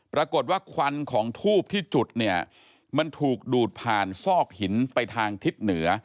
ควันของทูบที่จุดเนี่ยมันถูกดูดผ่านซอกหินไปทางทิศเหนือ